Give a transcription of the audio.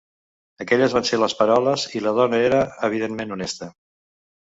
Aquelles van ser les paraules i la dona era evidentment honesta.